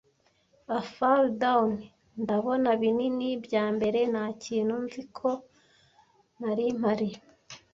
Afar down Ndabona binini byambere Ntakintu, Nzi ko nari mpari,